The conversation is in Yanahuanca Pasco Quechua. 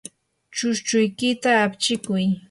chushchuykita apchikuy.